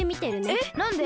えっなんで？